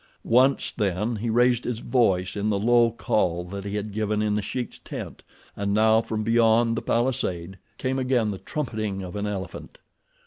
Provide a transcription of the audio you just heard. Once, then, he raised his voice in the low call that he had given in The Sheik's tent, and now, from beyond the palisade, came again the trumpeting of an elephant.